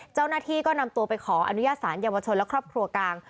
เจ้าหน้าที่ก็นำตัวไปขออนุญาตสารเยาวชนและครอบครัวกลาง